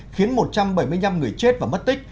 khiến một trăm bảy mươi năm người chết và mất tích